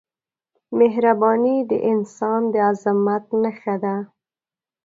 مهرباني د انسان د عظمت نښه ده.